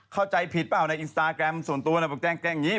เข้าใจผิดเปล่าในอินสตาแกรมส่วนตัวบอกแกล้งอย่างนี้